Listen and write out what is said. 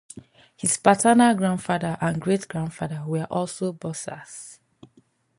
His paternal grandfather and great-grandfather were also boxers.